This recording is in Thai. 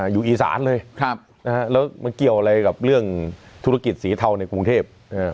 อยู่อีสานเลยแล้วมันเกี่ยวอะไรกับเรื่องธุรกิจสีเทาในกรุงเทพ